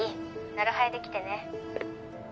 なる早で来てね。